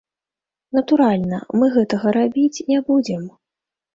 Натуральна, мы гэтага рабіць не будзем.